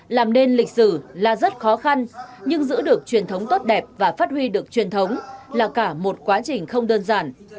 làm nên lịch sử là rất khó khăn nhưng giữ được truyền thống tốt đẹp và phát huy được truyền thống là cả một quá trình không đơn giản